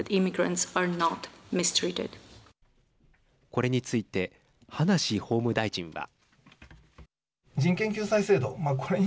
これについて葉梨法務大臣は。